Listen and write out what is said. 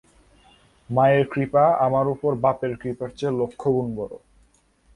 মায়ের কৃপা আমার উপর বাপের কৃপার চেয়ে লক্ষ গুণ বড়।